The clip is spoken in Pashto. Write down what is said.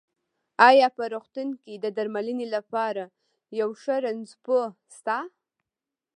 ايا په روغتون کې د درمنلې لپاره يو ښۀ رنځپوۀ شته؟